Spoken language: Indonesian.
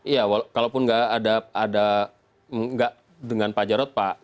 ya walaupun nggak ada dengan pak jarod pak